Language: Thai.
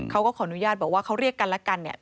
เขาก็ขออนุญาตบอกว่าเขาเรียกกันแล้วกันเนี่ย